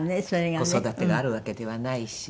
子育てがあるわけではないし。